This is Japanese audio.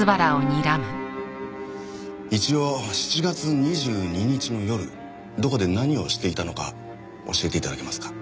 一応７月２２日の夜どこで何をしていたのか教えて頂けますか？